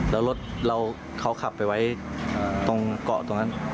แล้วรถเราเขาขับไปไว้ตรงเกาะตรงนั้น